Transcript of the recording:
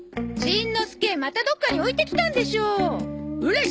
しんのすけまたどっかに置いてきたんでしょう。